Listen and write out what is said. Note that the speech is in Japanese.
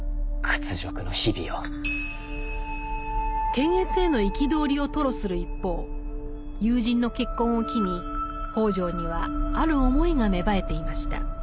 検閲への憤りを吐露する一方友人の結婚を機に北條にはある思いが芽生えていました。